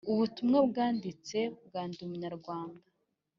Ubutumwa bwanditse bwa Ndi Umunyarwanda